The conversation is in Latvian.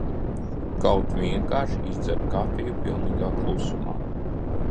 Kaut vienkārši izdzert kafiju pilnīgā klusumā.